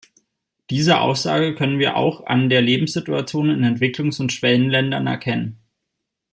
Diese Aussage können wir auch an der Lebenssituation in Entwicklungs- und Schwellenländern erkennen.